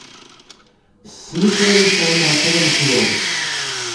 S snitra yesɛan ɛecra n lexyuḍ.